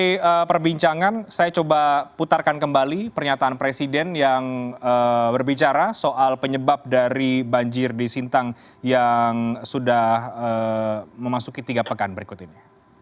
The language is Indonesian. ini perbincangan saya coba putarkan kembali pernyataan presiden yang berbicara soal penyebab dari banjir di sintang yang sudah memasuki tiga pekan berikut ini